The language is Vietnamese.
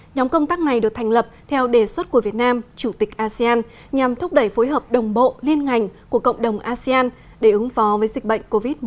nhóm công tác này được thành lập theo đề xuất của việt nam chủ tịch asean nhằm thúc đẩy phối hợp đồng bộ liên ngành của cộng đồng asean để ứng phó với dịch bệnh covid một mươi chín